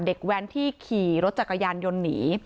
แว้นที่ขี่รถจักรยานยนต์หนี